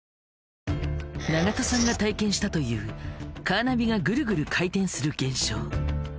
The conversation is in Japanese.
長門さんが体験したというカーナビがぐるぐる回転する現象。